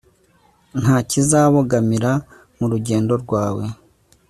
nta kizakubogamira mu rugendo rwawe,